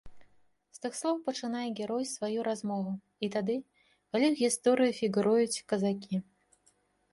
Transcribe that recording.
З тых слоў пачынае герой сваю размову і тады, калі ў гісторыі фігуруюць казакі.